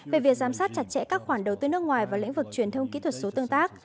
về việc giám sát chặt chẽ các khoản đầu tư nước ngoài và lĩnh vực truyền thông kỹ thuật số tương tác